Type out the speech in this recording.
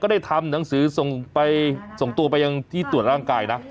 ได้ทำหนังสือส่งไปส่งตัวไปยังที่ตรวจร่างกายนะ